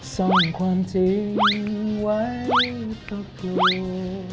ซ่อนความจริงไว้ตกลัว